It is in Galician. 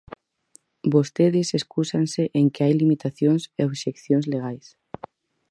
Vostedes escúsanse en que hai limitacións e obxeccións legais.